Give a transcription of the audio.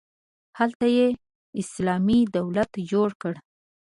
هلته یې اسلامي دولت جوړ کړ.